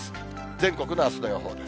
全国のあすの予報です。